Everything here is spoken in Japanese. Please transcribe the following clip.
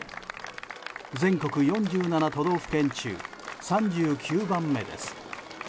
全国４７都道府県中３９番目です。